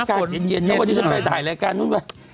อากาศเย็นนั่นวันที่ไปถ่ายรายการนั่นว่า